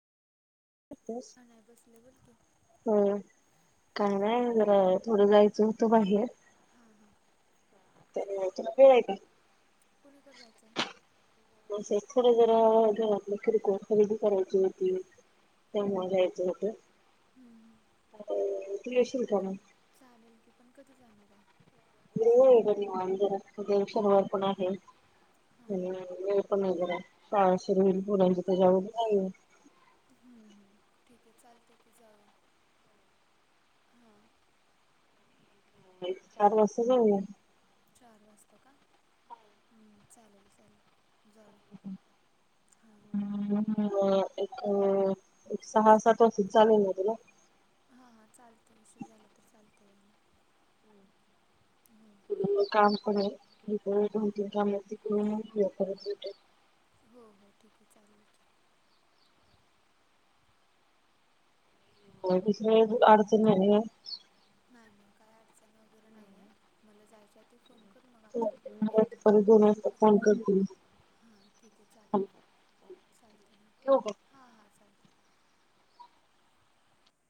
तेच कायं नाहीं बसले बोलं की हो कायं नाहीं थोडं जायचं होतं बाहेर हां हां ते नाहीं जायच्यां मंग वेळं आहे कां कुंणी कंड जायचं आहे शथरं जरां जखंर गं खरेदी करायची होती हं, त्यामुळें जायचं होतं हं, हं. तूं येशील कां मंग चालेल की पणं कधीं जाणारं आहे गेलेली मंदिरांत मी उद्यां शनिवार पणं आहे हां हं हे पणं नाहीं जरां काळशरी पुरंची त्यांच्यावर नाहीं हम्मं हम्मं ठीके. चालते की जाऊ. चार वाजता जाऊया. चार वाजतां का? हम्म चालेल चालेल. जाऊ हां. ह एक सहा सात वाजतील. चालेल ना तुला. हां हां चाललंय. शीर झाला तर चालतंय. हो. काम पणे. लकती काम क म करठे [inaudible] हो हो ठीके. चालेल की. होय. दुसरी कुठली अडचण नाहीये. नाही नाही काही अडचण वगैरे नाहीये. मला जायच्या आधी फोन कर. मग आपण येते. परत दोन वाजता फोन कर तील. हां ठीके चालेल. चालतय. ठेवू का? हां हां चालेल.